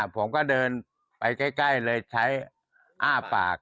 ผมก็เดินไปใกล้เลยใช้อ้าปาก